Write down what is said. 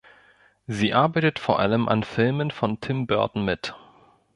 Sie arbeitet vor allem an Filmen von Tim Burton mit.